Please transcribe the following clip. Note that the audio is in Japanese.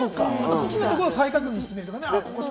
好きなところを再確認するとかね。